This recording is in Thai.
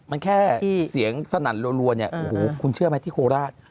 มันแค่เสียงสนั่นรวดคุณเชื่อไหมที่โคราช